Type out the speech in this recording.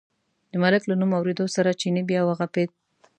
د ملک له نوم اورېدو سره چیني بیا و غپېد.